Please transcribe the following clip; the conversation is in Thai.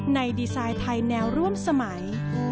ดีไซน์ไทยแนวร่วมสมัย